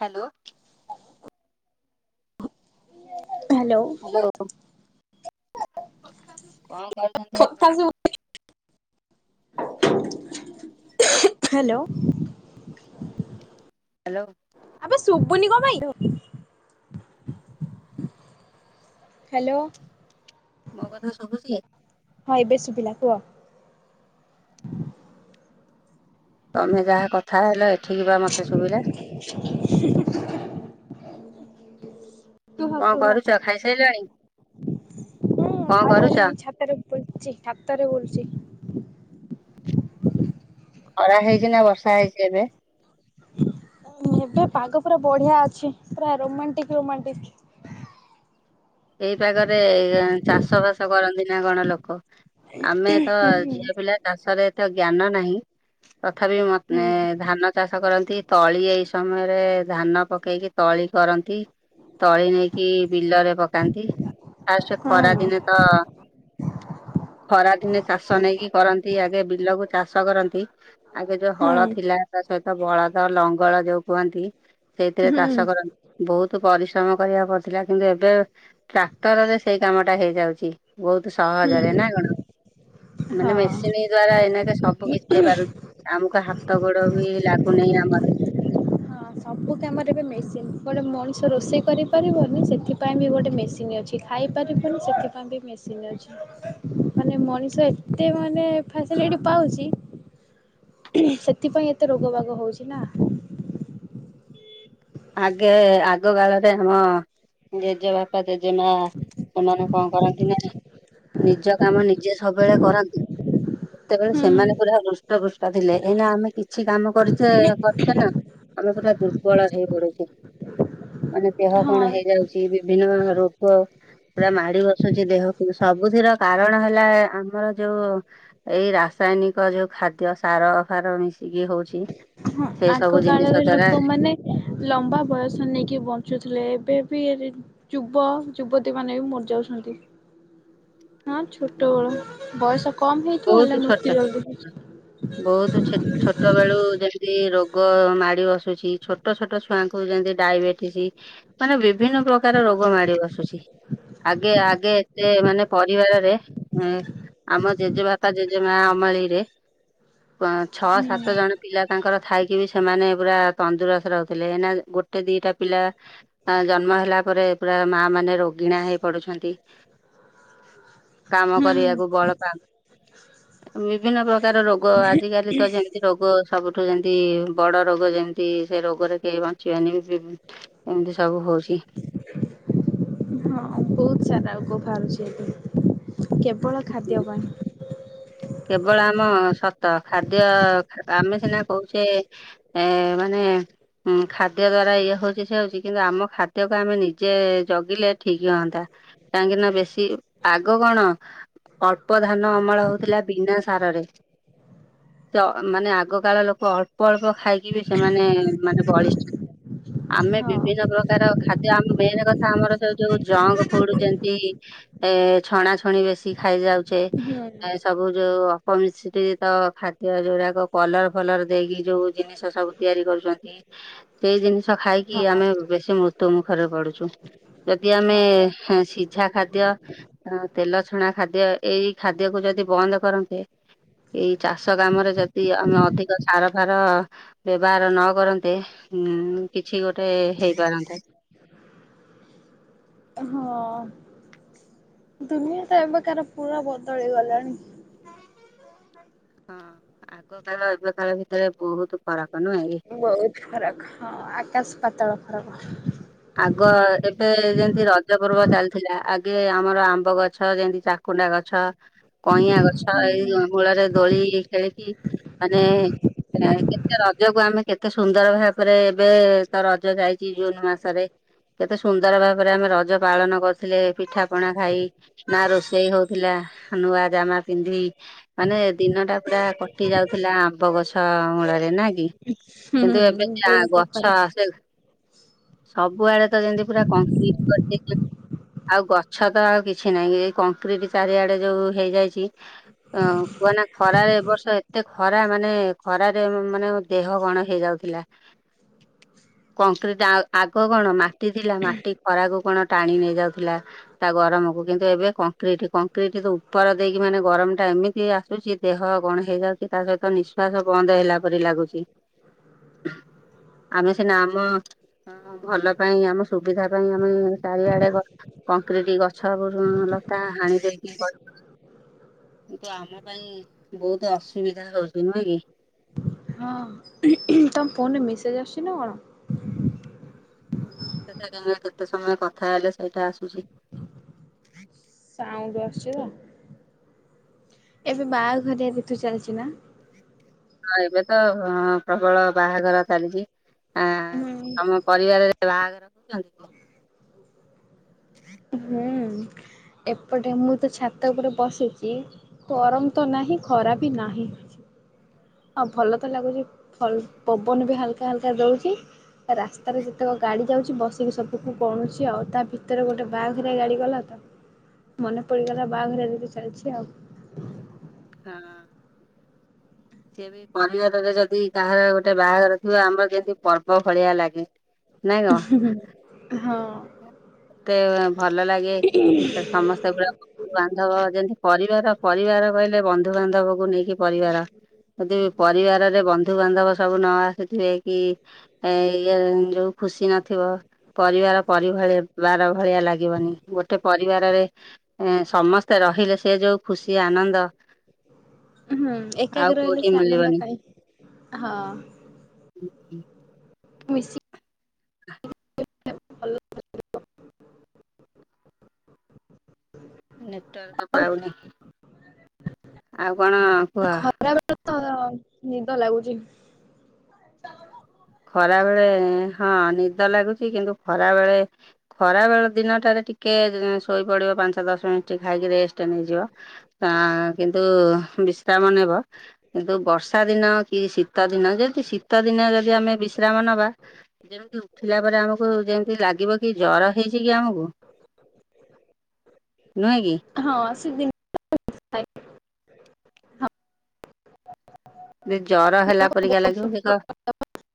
Hello hello hello କଁ ଖତା hello hello ଆବେ ସୁବୁନି କମାଇ ହ୍ୟାଲୋ ମ କଥା ସବୁ ସ ହଁ ଏବେେଶ ସୁୁଭିଲା କୁହ ତମେ ଯାହା କଥା ହେଲ ଏଠିକି ବା ମତେ ସୁବିଧା [unintelligible] କୁ ହ କଣ କୁହ କରୁଛ ଖାଇସାରିଲଣି ହୁଁ କଣ ଭଲ କରୁଛ? ହେଲନି ଛାତରେ ବଛି ଡାକ୍ତାରରେ ବଛି ଖରା ହେଇଛି ନା ବର୍ଷା ହେଇଛି ଏବେ ଏବେ ପାଗ ପୁରା ବଢିଆ ଅଛି ପୁରା ରୋମାଣ୍ଟିକ ରୋମାଟିକ ଏଇପାଗରେ ଚାଷ ବାସ କରନ୍ତି ନା କଣ ଲୋକ ଆମେ ତ ହୁଁ ଝିଲା ପିଲା ଚାଷରେ ଏତ ଜ୍ଞାନ ନାହିଁ ତଥାପି ହୁଁ ଧାନ ଚାଷ କରନ୍ତି ତଳି ଏଇ ସମୟରେ ଧାନ ପକେଇକି ତଳି କରନ୍ତି ତଳି ନେଇକି ବିଲରେ ପକାନ୍ତି ଆଉ ସେ ହଁ ଖରା ଦିନେ ତ ଖରା ଦିନେ ଚାଷ ନେଇକି କରନ୍ତି ଆଗେ ବିଲକୁ ଚାଷ କରନ୍ତି ଆଗେ ଯୋଉ ହଁ ହଳ ଥିଲା ତା ସହିତ ବଳଦ ଲଙ୍ଗଳ ଯୋଉ କୁହନ୍ତି ସେଇଥିରେ ହୁଁ ଚାଷ କରନ୍ତି ବହୁତ ପରିଶ୍ରମ କରିବାକୁ ପଡିଥିଲା କିନ୍ତୁ ଏବେ ଟ୍ରାକ୍ଟରରେ ସେଇ କାମଟା ହେଇଯାଉଛି ବହୁତ ହୁଁ। ସହଜରେ ନା କଣ ହଁ। ମାନେ ହଁ ମେସିନ୍ ଦ୍ଵାରା ଏନାକେ ସବୁ କିଛି ହେଇପାରୁଛି ଆମକୁ ହାତ ଗୋଡ ବି ଲାଗୁନାହିଁ ଆମର ଓ କି ଆମର ଏବେ ମେସିନ ଗୋଟେ ମଣିଷ ରୋଷେଇ କରିପାରିବନି ସେଥିପାଇଁ ବି ଗୋଟେ ମେସିନ୍ ଅଛି କି ଖାଇପାରିବନି ସେଥିପାଇଁ ବି ମାନେ ମଣିଷ ଏତେ ମାନେ ଫସିଲି ପାଉଛି ସେଥିପାଇଁ ଏତେ ରୋଗ ବାଗ ହଉଛି ନା ଆଗେ ଆଗ କାଳରେ ଆମ ଜେଜେବାପା ଜେଜେମା ସେମାନେ କଣ କରନ୍ତି ନା ନିଜ କାମ ନିଜେ ସବୁବେଳେ କରନ୍ତିୁ ସେତେବେଳେ ସେମାନେ ହୁଁ। ପୁରା ହୃଷ୍ଟ ପୃଷ୍ଟ ଥିଲେ ଏଇନା ଆମେ କିଛି କାମ କରିଛେ କରିଛେ ନା ଆମେ ପୁରା ଦୁର୍ବଳ ହେଇ ପଡୁଛେ ମାନେ ଦେହ ହଁ କଣ ହେଇଯାଉଛି ବିଭିନ୍ନ ରୋଗ ପୁରା ମାଡି ବସୁଛି ଦେହକୁ ସବୁଥିର କାରଣ ହେଲା ଆମର ଯୋଉ ଏଇ ରାସାୟନିକ ଯୋଉ ଖାଦ୍ୟ ସାର ସାର ମିଶିକି ହଉଛି ହ ସେଇ ଆଗ ସବୁ ଜିନିଷ କାଳରେ ଦ୍ଵାରା ଲୋକ ମାନେ ଲମ୍ବା ବୟସ ନେଇକି ବଞ୍ଚୁଥିଲେ ଏବେ ବି ଯୁବ ଯୁବତୀ ମାନେ ବି ମରିଯାଉଛନ୍ତି ହଁ ଛୋଟ ବଳ ବୟସ କମ ହେଇଥିବ ବହୁତ ହେଲେ ମୂର୍ତ୍ତି ଛୋଟ ଜଲଦିଉଛି ବହୁତ ଛୋଟ ବେଳୁ ଯେମିତି ରୋଗ ମାଡି ବସୁଛି ଛୋଟ ଛୋଟ ଛୁଆଙ୍କୁ ଯେମିତି ଡାଇବେଟିସ ମାନେ ବିଭିନ୍ନ ପ୍ରକାର ରୋଗ ମାଡି ବସୁଛି ଆଗେ ଆଗେ ସେ ମାନେ ପରିବାରରେ ଆମ ଜେଜେବାପା ଜେଜେମା ଅମଳି ରେ ଛଅ ସାତ ଜଣ ପିଲା ତାଙ୍କର ଥାଇକି ବି ସେମାନେ ପୁରା ତନ୍ଦୁରସ୍ତ ରହୁଥିଲେ ଏନା ଗୋଟେ ଦିଟା ପିଲା ହ ଜନ୍ମ ହେଲା ପରେ ପୁରା ମା ମାନେ ରୋଗିଣା ହେଇ ପଡୁଛନ୍ତି କାମ ହୁଁ କରିବାକୁ ବଳ ପାଉ ବିଭିନ୍ନ ପ୍ରକାର ରୋଗ ଆଜିକାଲି ତ ଯେମତି ରୋଗ ସବୁଠୁ ଯେମତି ବଡ ରୋଗ ଯେମି କିସେ ରୋଗରେ କେହି ବଞ୍ଚିବନି ଏମିତି ସବୁ ହଉଛି ହଁ ବହୁତ ସାରା ରୋଗ ବାହାରୁଛି ଏବେ କେବଳ ଖାଦ୍ୟ ପାଇଁ କେବଳ ଆମ ସତ ଖାଦ୍ୟ ଆମେ ସିନା କହୁଛେ ଏ ମାନେ ଉଁ ଖାଦ୍ୟ ଦ୍ଵାରା ଇଏ ହଉଛି ସେ ହଉଛି କିନ୍ତୁ ଆମ ଖାଦ୍ୟକୁ ଆମେ ନିଜେ ଜଗିଲେ ଠିକ୍ ହୁଅନ୍ତା କାହିଁକି ନା ବେଶୀ ଆଗ କଣ ଅଳ୍ପ ଧାନ ଅମଳ ହଉ ଥିଲା ବିନା ସାରରେ ତ ମାନେ ଆଗକାଳ ଲୋକ ଅଳ୍ପ ଅଳ୍ପ ଖାଇକି ବି ସେମାନେ ମାନେ ବଳିଷ୍ଠ ଆମେ ହଁ। ବିଭିନ୍ନ ପ୍ରକାର ଖାଦ୍ୟ ଆ ମେନ କଥା ଆମର ଯ ଯୋଉ ଜଙ୍କ ଫୁଡ ଯେମତି ଏ ଛଣା ଛଣି ବେଶୀ ଖାଇ ଯାଉଛେ ହୁଁ ଏ ସବୁ ଯୋଉ ଅପମିଶ୍ରିତ ଖାଦ୍ୟ ଯଉ ଗୁରାକ କଲର ଫଲର ଦେଇକି ଯୋଉ ଜିନିଷ ସବୁ ତିଆରି କରୁଛନ୍ତି ସେଇ ଜିନିଷ ଖାଇକି ହଁ। ଆମେ ବେଶୀ ମୃତ୍ୟୁ ମୁଖରେ ପଡୁଛୁ ଯଦି ଆମେ ହଁ ସିଝା ଖାଦ୍ୟ ଏ ତେଲ ଛଣା ଖାଦ୍ୟ ଏଇ ଖା ଖାଦ୍ୟକୁ ଯଦି ବନ୍ଦ କରନ୍ତେ ଏଇ ଚାଷ କାମ ରେ ଯଦି ଆମେ ଅଧିକ ସାର ଫାର ବ୍ୟବହାର ନ କରନ୍ତେ ଉ କିଛି ଗୋଟେ ହେଇପାରନ୍ତା। ହଁ ଦୁନିଆ ତ ଏବେକାର ପୁରା ବଦଳି ଗଲାଣି। ହଁ ଆଗ କାଳ ଏବେ କାଳ ଭିତରେ ବହୁତ ଫରକ ନୁହେଁ କି? ବହୁତୁ ଫରକ ହ ଆକାଶ ପାତଳ ଫରକ। ଆଗ ଏବେ ଯେମିତି ରଜ ପର୍ବ ଚାଲିଥିଲା ଆଗେ ଆମର ଆମ୍ବ ଗଛ ଯେମତି ଚା କୁଣ୍ଡା ଗଛ କଇଁଆଁ ଗଛ ଏଇ ମୂଳରେ ଦୋଳି ଖେଳିକି ମାନେ କେତେ ରଜକୁ ଆମେ କେତେ ସୁନ୍ଦର ଭାବରେ ଏବେ ତ ରଜ ଯାଇଛି ଜୁନ ମାସ ତରେ କେତେ ସୁନ୍ଦର ଭାବରେ ଆମେ ରଜ ପାଳନ କରିଥିଲେ ପିଠା ପଣା ଖାଇ। ନା ରୋଷେଇ ହଉଥିଲା ନୂଆ ଜାମା ପିନ୍ଧି ମାନେ ଦିନ ଟା ପୁରା କଟି ଯାଉଥିଲା ଆମ୍ବ ଗଛ ମୂଳରେ ନା କି? ହୁଁ କିନ୍ତୁ ଏବେ ହୁଁ ସେ ଦୋଳି ଗଛ ପାଖରେ ସେ ସବୁଆଡେ ତ ଯେମିତି ପୁରା କଂକିରିଟି ଆଉ ଗଛ ତ ଆଉ କିଛି ନାହିଁ ଏ କଂକ୍ରିଟି ଚାରିଆଡେ ଯୋଉ ହେଇଯାଇଛି। ହ କୁହ ନା ଖରାରେ ଏ ବର୍ଷ ଏତେ ଖରା ମାନେ ଖରାରେ ମାନେ ଦେହ କଣ ହେଇଯାଉଥିଲା କଂକ୍ରିଟ ଆଗ କଣ ମା ଟି ଥିଲା ମାଟି ଖରାକୁ କଣ ଟାଣି ନେଇଯାଉଥିଲା। ତା ଗରମକୁୁ କିନ୍ତୁ ଏବେ କଂକ୍ରିଟି କଂକ୍ରିଟି ତ ଉପର ଦେଇକି ମାନେ ଗରମ ଟା ଏମିତି ଆସୁଛି ଦେହ କଣ ହେଇଯାଉଛି ତା ସହିତ ନିଃଶ୍ଵାସ ବନ୍ଦ ହେଲା ପରି ଲାଗୁଛି। ଆମେ ସିନା ଆମ ହଁ ଭଲ ପାଇଁ ଆମ ସୁବିଧା ପାଇଁ ଆମେ ଚାରିଆଡେ ଗ କଂକ୍ରିଟି ଗଛ ଲତା ହାଣି ଦେଇକି କିନ୍ତୁ ଆମ ପାଇଁ ବହୁତ ଅସୁବିଧା ହଉଛି ନୁହେଁ କି? ହଁ ତମ ଫୋନରେ ମେସେଜ୍ ଆସୁଛି ନା କଣ? ସେ କ କେତେ ସମୟ କଥା ହେଲେ ସେଇଟା ଆସୁଛି। ସାଉଣ୍ଡ ଆସୁୁଛି ବା ଏବେ ବାହାଘରିଆ ତିଥି ଚାଲିଛି ନା? ହଁ ଏବେ ତ ହଁ ପ୍ରବଳ ବାହାଘର ଚାଲିଛି ଆଁ ହୁଁ। ତମ ପରିବାରରେ ବାହାଘର ହଉଛନ୍ତି [inaudible] ହୁଁ। ଏପଟେ ମୁଁ ତ ଛାତ ଉପରେ ବସିଛି ଗରମ ତ ନାହିଁ ଖରା ବି ନାହିଁ। ହଁ ଭଲ ତ ଲାଗୁଛି ଫଲ୍ ପବନ ବି ହାଲକା ହାଲକା ଦଉଛି। ରାସ୍ତାରେ ଯେତେକ ଗାଡ଼ି ଯାଉଛି ବସିକି ସବୁକୁ ଗଣୁଛି ଆଉ। ତା ଭିତରେ ଗୋଟେ ବାଆଘରିଆ ଗାଡ଼ି ଗଲା ତ? ମନେ ପଡିଗଲା ବାହାଘରିଆ ତିଥି ଚାଲିଛି ଆଉ। ହଁ। ସିଏ ବି ପରିବାରରେ ଯଦି କାହାର ଗୋଟେ ବାହାଘର ଥିବ ଆମର ଯେମିତି ପର୍ବ ଭଳିଆ ଲାଗେ। ନାଇଁ କଣ ହଁ। ଏତେ ଭଲ ଲାଗେ ସମସ୍ତେ ପୁରା ବାନ୍ଧବ ଯେନ୍ତି ପରିବାର ପରିବାର କହିଲେ ବନ୍ଧୁବାନ୍ଧବ କୁ ନେଇକି ପରିବାର। ଯଦି ପରିବାରରେ ବନ୍ଧୁବାନ୍ଧବ ସବୁ ନ ଆସୁଥିବେ କି ଏ ଇ ଯୋଉ ଖୁସି ନଥିବ ପରିବାର ପର ଭଳିଆ ବାର ଭଳିଆ ଲାଗିବନି ଗୋଟେ ପରିବାରରେ ଏ ସମସ୍ତେ ରହିଲେ ସେ ଯୋଉ ଖୁସି ଆନନ୍ଦ ହୁଁ ଆଉ ଏକାକି ରହିଲେ କୋଉଠି ସେ ଆନନ୍ଦ ମିଳିବନି କାଇଁ। ହଁ ମିଶି [inaudible] ନେଟୱର୍କ ପାଉନି ଆଉ କଣ କୁହ? ଖରାବେଳ ତ ନିଦ ଲାଗୁଛି ଖରା ବେଳେ ହଁ ନିଦ ଲାଗୁଛି କିନ୍ତୁ ଖରା ବେଳେ ଖରା ବେଳେ ଦିନଟାରେ ଟିକେ ଶୋଇପଡିବ ପାଞ୍ଚ ଦଶ ମିନିଟ ଖାଇକି ରେଷ୍ଟ ନେଇଯିବ ହଁ କିନ୍ତୁ ବିଶ୍ରାମ ନେବ କିନ୍ତୁ ବର୍ଷା ଦିନ କି ଶୀତ ଦିନ ଯେମତି ଶୀତ ଦିନ ଯଦି ଆମେ ବିଶ୍ରାମ ନବା ଯେମିତି ଉଠିଲା ପରେ ଆମକୁ ଯେମତି ଲାଗିବ କି ଜର ହେଇଛି କି ଆମକୁ ନୁହେଁ କି ହଁ ସେ ଦିନ ଜେ ଜର ହେଲା ପରିକା ଲାଗିବ ସେ କ ତ